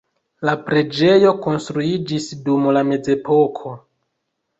La preĝejo konstruiĝis dum la mezepoko.